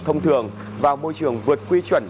thông thường vào môi trường vượt quy chuẩn